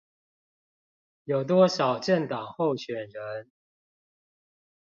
有多少政黨候選人